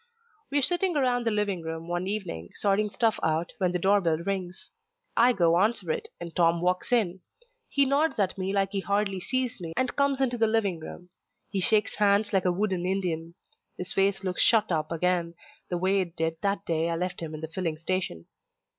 We're sitting around the living room one evening, sorting stuff out, when the doorbell rings. I go answer it, and Tom walks in. He nods at me like he hardly sees me and comes into the living room. He shakes hands like a wooden Indian. His face looks shut up again, the way it did that day I left him in the filling station.